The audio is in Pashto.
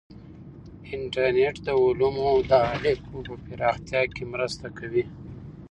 انټرنیټ د علومو د اړیکو په پراختیا کې مرسته کوي.